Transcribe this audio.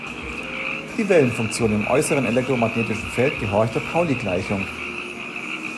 Die Wellenfunktion im äußeren elektromagnetischen Feld gehorcht der Pauli-Gleichung.